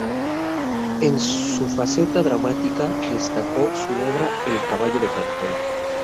En su faceta dramática destacó su obra "El caballo de cartón".